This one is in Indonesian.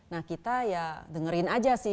nah kita ya dengerin aja sih